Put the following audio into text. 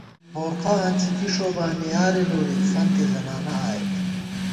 بورقہ آنڅی کی ݭوبانیارےنوری ، فنتےزنانہ آئیت